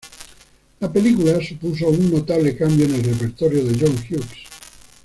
La película supuso un notable cambio en el repertorio de John Hughes.